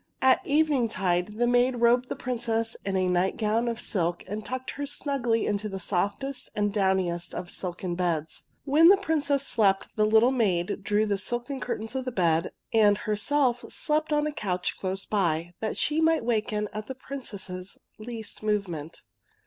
At eveningtide the maid robed the Princess in a nightgown of silk, and tucked her snugly in the softest and downiest of silken beds. When the Princess slept, the little maid drew the silken curtains of the bed, and her self slept on a couch close by, that she might waken at the Princess's least movement.